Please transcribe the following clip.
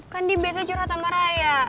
kan dia biasanya curhat sama raya